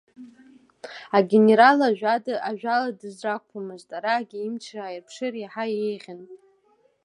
Агенерал ажәала дызрақәԥомызт, араагьы имчра ааирԥшыр иаҳа еиӷьын.